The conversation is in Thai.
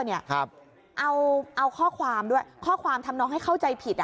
เอาข้อความด้วยข้อความทำน้องให้เข้าใจผิด